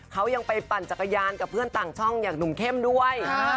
เขายังไปปั่นจักรยานกับเพื่อนต่างช่องอย่างหนุ่มเข้มด้วย